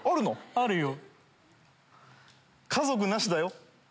家族なしだよ？